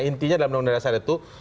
intinya dalam undang undang dasar itu